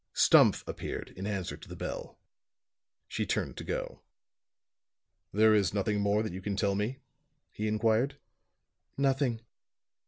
Stumph appeared, in answer to the bell. She turned to go. "There is nothing more that you can tell me?" he inquired. "Nothing."